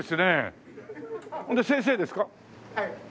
先生です。